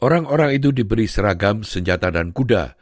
orang orang itu diberi seragam senjata dan kuda